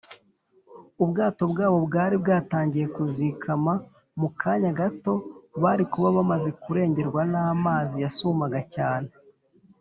ubwato bwabo bwari bwatangiye kuzikama mu kanya gato bari kuba bamaze kurengerwa n’amazi yasumaga cyane